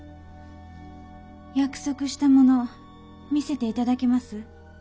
約束したもの見せて頂けます？